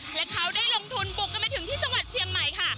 และเขาได้ลงทุนบุกกันไปถึงที่จังหวัดเชียงใหม่ค่ะ